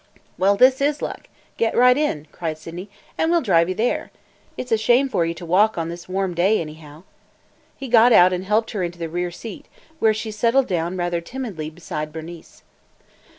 "Well, this is luck! Get right in," cried Sydney, "and we 'll drive you there. It 's a shame for you to walk on this warm day, anyhow." He got out and helped her into the rear seat, where she settled down rather timidly beside Bernice.